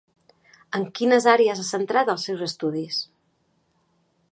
En quines àrees ha centrat els seus estudis?